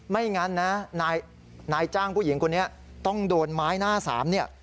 ไม่งั้นนะนายจ้างผู้หญิงคนนี้ต้องโดนไม้หน้าสามเนี่ย